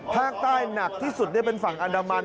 ภาคใต้หนักที่สุดเป็นฝั่งอันดามัน